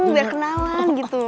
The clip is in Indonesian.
biar kenalan gitu